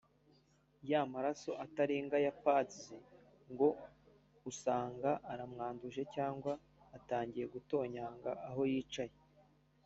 ya maraso atarenga ya pads ngo usange aramwanduje cyangwa atangiye gutonyangira aho yicaye